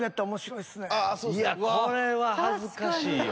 いやこれは恥ずかしいよ。